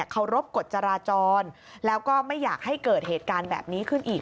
เคารพกฎจราจรแล้วก็ไม่อยากให้เกิดเหตุการณ์แบบนี้ขึ้นอีก